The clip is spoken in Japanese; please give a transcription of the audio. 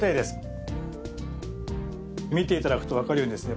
見て頂くとわかるようにですね